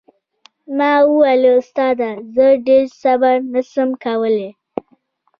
ما وويل استاده زه ډېر صبر نه سم کولاى.